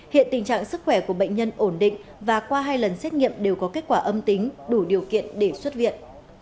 hiện tình trạng sức khỏe của bệnh nhân ổn định và qua hai lần xét nghiệm đều có kết quả âm tính đủ điều kiện để xuất viện